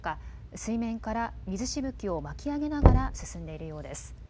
水面から水しぶきを巻き上げながら進んでいるようです。